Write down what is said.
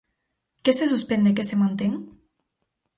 Que se suspende e que se mantén?